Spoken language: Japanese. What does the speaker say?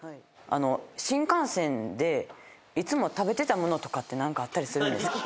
新幹線でいつも食べてた物って何かあったりするんですか？